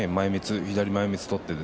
左前みつを取って。